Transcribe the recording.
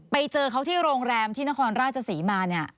ไปเจอเขาที่โรงแรมที่นครราชศรีมาเนี่ย